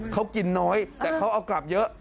เขากินน้อยแต่เขาเอากลับเยอะ